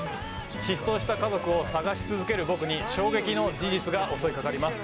失踪した家族を捜し続ける僕に衝撃の事実が襲い掛かります。